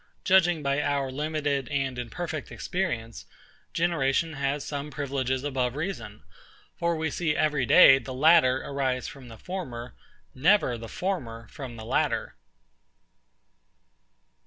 Judging by our limited and imperfect experience, generation has some privileges above reason: for we see every day the latter arise from the former, never the former from the latter.